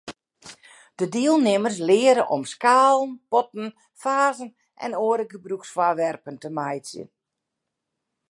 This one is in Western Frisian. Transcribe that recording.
De dielnimmers leare om skalen, potten, fazen en oare gebrûksfoarwerpen te meitsjen.